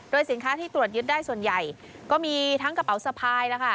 สินค้าที่ตรวจยึดได้ส่วนใหญ่ก็มีทั้งกระเป๋าสะพายแล้วค่ะ